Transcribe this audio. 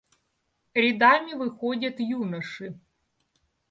Рядами выходят юноши.